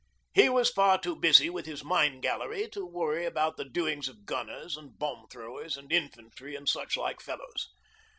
He was far too busy with his mine gallery to worry about the doings of gunners and bomb throwers and infantry and such like fellows.